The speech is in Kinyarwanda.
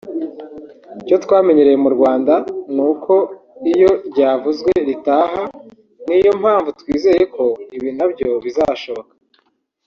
Icyo twamenyereye mu Rwanda ni uko iyo ryavuzwe ritaha ni yo mpamvu twizeye ko ibi na byo bizashoboka